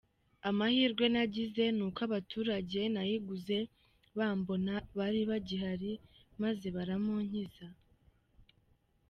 Amahirwe nagize ni uko abaturage nayiguze bambona bari bagihari maze baramunkiza!”.